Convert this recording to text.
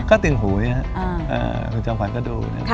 ก็ติ่งหูเนี้ยค่ะเอออ่าคุณจังวันก็ดูค่ะ